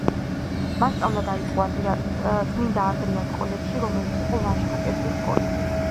მან სწავლა დაიწყო წმინდა ანდრიას კოლეჯში რომელიც იყო ვაჟთა კერძო სკოლა.